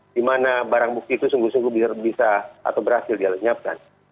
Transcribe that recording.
di mana barang bukti itu sungguh sungguh bisa atau berhasil dia lenyapkan